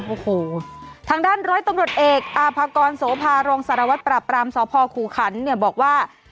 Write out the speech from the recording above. โอ้โหทางด้านร้อยตำรวจเอกอาภากรโสภารองสารวัตรปราบรามสพขู่ขันเนี่ยบอกว่า